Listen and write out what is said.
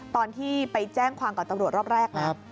ตอนที่ไปแจ้งความกับตำรวจรอบแรกนะ